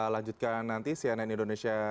lanjutkan nanti cnn indonesia